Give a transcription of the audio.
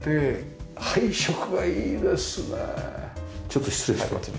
ちょっと失礼して。